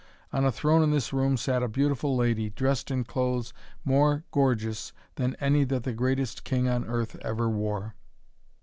On a throne in this room sat a beautiful lady, dressed in clothes more gorgeous than any that the greatest king on earth ever wore.